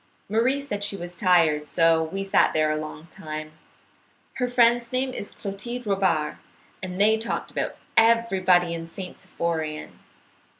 Marie said she was tired, so we sat there a long time. Her friend's name is Clotilde Robard. They talked about everybody in St. Symphorien.